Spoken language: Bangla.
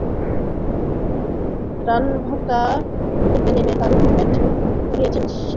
রান তাড়া করতে নেমে দারুণ ব্যাট করছিলেন শেখ জামালের ওপেনার মাহবুবুল করিম।